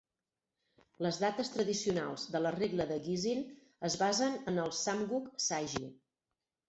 Les dates tradicionals de la regla de Guisin es basen en el "Samguk Sagi".